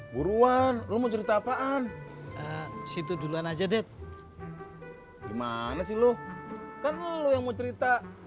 buruan lu mau cerita apaan situ duluan aja det gimana sih lu kan lo yang mau cerita